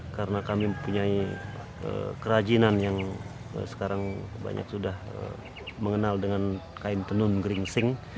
karena kami mempunyai kerajinan yang sekarang banyak sudah mengenal dengan kain tenun geringsing